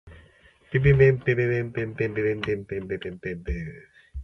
It was the first important victory of the Russian fleet in its history.